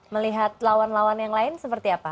melihat lawan lawan yang lain seperti apa